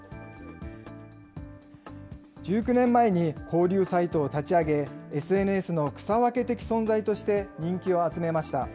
１９年前に交流サイトを立ち上げ、ＳＮＳの草分け的存在として人気を集めました。